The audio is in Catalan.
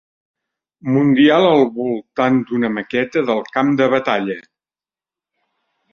Mundial al voltant d'una maqueta del camp de batalla.